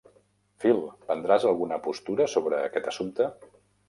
Phil, prendràs alguna postura sobre aquest assumpte?